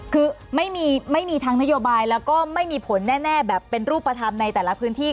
คือไม่มีทางนโยบายแล้วก็ไม่มีผลแน่แบบเป็นรูปธรรมในแต่ละพื้นที่